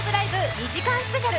２時間スペシャル」。